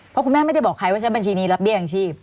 เพราะคุณแม่ไม่ได้บอกใครว่าใช้บัญชีนี้รับเบี้ยอย่างชีพ